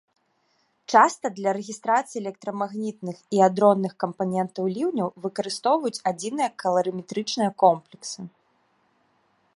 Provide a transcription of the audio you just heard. Часта для рэгістрацыі электрамагнітных і адронных кампанентаў ліўняў выкарыстоўваюць адзіныя каларыметрычныя комплексы.